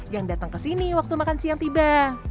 yang datang ke sini waktu makan siang tiba